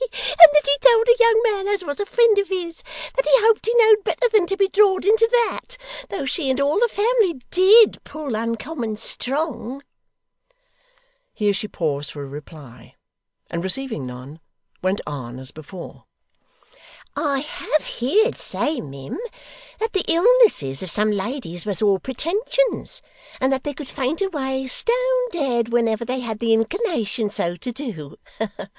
and that he told a young man as was a frind of his, that he hoped he knowed better than to be drawed into that; though she and all the family DID pull uncommon strong!' Here she paused for a reply, and receiving none, went on as before. 'I HAVE heerd say, mim, that the illnesses of some ladies was all pretensions, and that they could faint away, stone dead, whenever they had the inclinations so to do.